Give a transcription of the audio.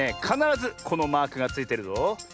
かならずこのマークがついてるぞ。